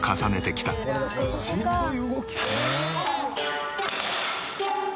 しんどい動き。